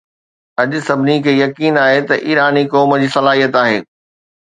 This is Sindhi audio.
اڄ، سڀني کي يقين آهي ته ايراني قوم جي صلاحيت آهي